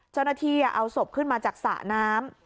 เจ้าหน้าที่เอาศพขึ้นมาจากสระน้ำ